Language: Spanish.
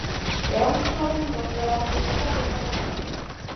Era un sobrino de la reina Isabel de Rumania.